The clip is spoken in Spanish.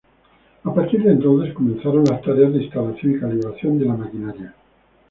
A partir de entonces comenzaron las tareas de instalación y calibración de la maquinaria.